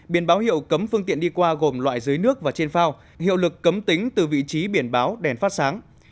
biển báo hiệu cấm phương tiện đi qua gồm loại dưới nước và trên phao hiệu lực cấm tính từ vị trí biển báo đèn phát sáng